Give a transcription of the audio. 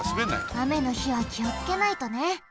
あめのひはきをつけないとね。